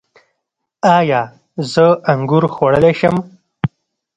ایا زه انګور خوړلی شم؟